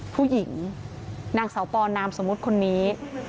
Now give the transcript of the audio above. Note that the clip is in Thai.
ผู้หญิงนางสาวปอนามสมมุติคนนี้